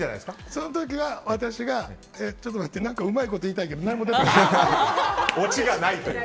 その時は私がちょっと待ってうまいこと言いたいけど何も出てこない。